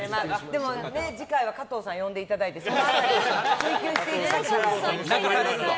でも、次回は加藤さん呼んでいただいて追及していただかないと。